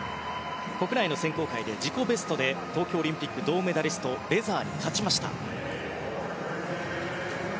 国内の選考会で自己ベストで東京オリンピック銅メダリストに勝ちました。